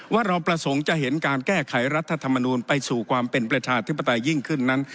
ว่าเราประสงค์จะเห็นการแก้ไขรัฐธรรมนูลไปสู่ความเป็นประชาธิปไตยยิ่งขึ้นนั้น